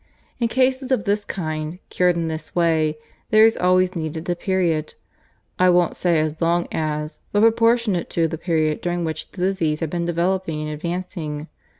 In cases of this kind, cured in this way, there is always needed a period, I won't say as long as, but proportionate to, the period during which the disease had been developing and advancing.